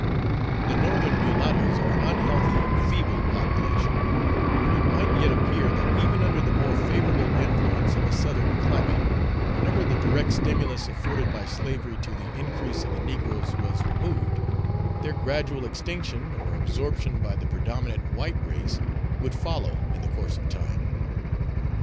The Northern mulattoes are an unhealthy feeble population, and it might yet appear that even under the more favourable influence of a Southern climate, whenever the direct stimulus afforded by slavery to the increase of the negroes was removed, their gradual extinction or absorption by the predominant white race would follow in the course of time.